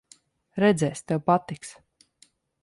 Redzēsi, tev patiks.